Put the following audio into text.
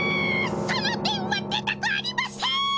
その電話出たくありません。